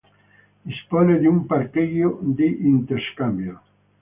Dispone di un parcheggio di interscambio.